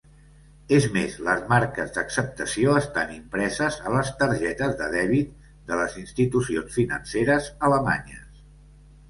És més, les marques d'acceptació estan impreses a les targetes de dèbit de les institucions financeres alemanyes.